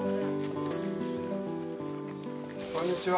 こんにちは！